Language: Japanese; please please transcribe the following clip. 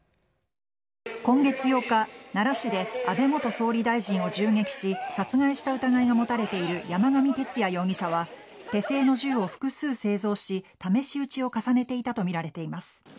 今月８日、奈良市で安倍元総理大臣を銃撃し殺害した疑いが持たれている山上徹也容疑者は手製の銃を複数製造し試し撃ちを重ねていたとみられています。